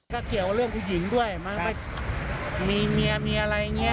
ก็เขียวว่าเรื่องผู้หญิงด้วยมีเมียอะไรอย่างนี้